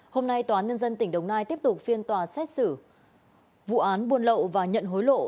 hôm nay tòa án nhân dân tỉnh đồng nai tiếp tục phiên tòa xét xử vụ án buôn lậu và nhận hối lộ